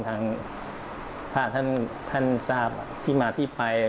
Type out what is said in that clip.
ทางพระท่านทราบที่มาที่ไป